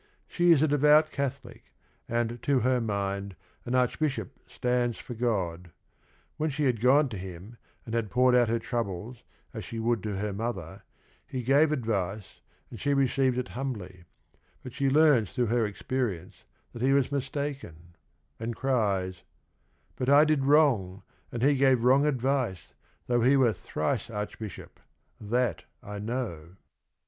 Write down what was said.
She is a devout Catholic, and to her mind an Archbishop "stands for God." When she had gone to him and had poured out her troubles as she would to her mother, he gave advice and she received it hum bly, but she learns through her experience that he was mistaken, and cries : "But I did wrong and he gave wrong advice Though he were thrice Archbishop — that I know."